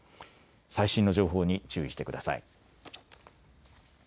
最新の情報に注意してください。